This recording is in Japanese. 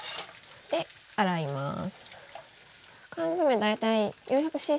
で洗います。